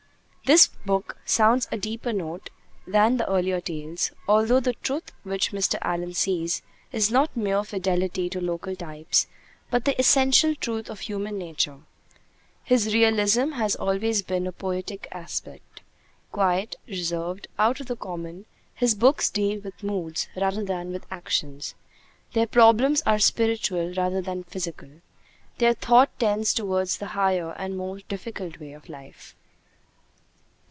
This book sounds a deeper note than the earlier tales, although the truth which Mr. Allen sees is not mere fidelity to local types, but the essential truth of human nature. His realism has always a poetic aspect. Quiet, reserved, out of the common, his books deal with moods rather than with actions; their problems are spiritual rather than physical; their thought tends toward the higher and more difficult way of life.